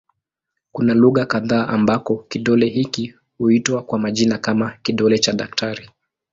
Kuna lugha kadha ambako kidole hiki huitwa kwa majina kama "kidole cha daktari".